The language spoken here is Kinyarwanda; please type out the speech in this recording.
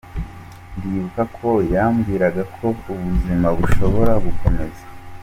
Ndibuka ko yambwiraga ko ubuzima bushobora gukomeza.